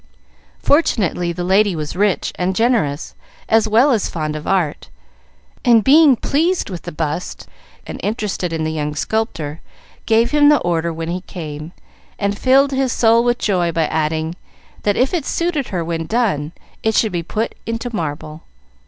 Fortunately the lady was rich and generous, as well as fond of art, and being pleased with the bust, and interested in the young sculptor, gave him the order when he came, and filled his soul with joy by adding, that, if it suited her when done, it should be put into marble.